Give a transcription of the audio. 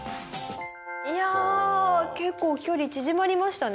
いやあ結構距離縮まりましたね